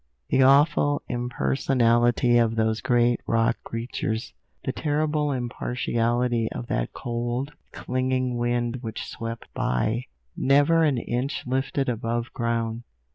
The awful impersonality of those great rock creatures, the terrible impartiality of that cold, clinging wind which swept by, never an inch lifted above ground!